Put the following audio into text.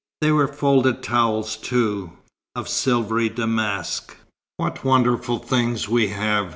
There were folded towels, too, of silvery damask. "What wonderful things we have!"